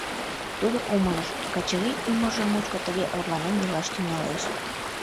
Тудо умылыш: Качырий ӱмыржӧ мучко тыге орланен илаш тӱҥалеш.